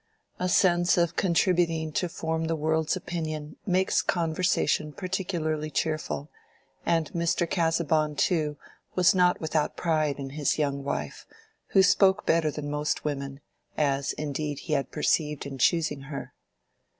A sense of contributing to form the world's opinion makes conversation particularly cheerful; and Mr. Casaubon too was not without his pride in his young wife, who spoke better than most women, as indeed he had perceived in choosing her.